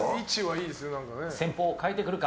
戦法を変えてくるか。